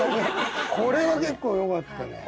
これは結構よかったね。